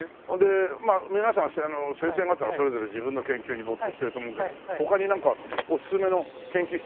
まあ皆さん先生方はそれぞれ自分の研究に没頭してると思うけど他になんかおすすめの研究室なんかない？